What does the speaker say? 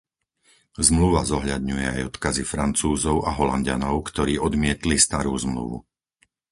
Zmluva zohľadňuje aj odkazy Francúzov a Holanďanov, ktorí odmietli starú Zmluvu.